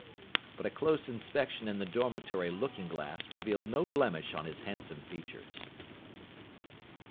But a close inspection in the dormitory looking glass revealed no blemish on his handsome features.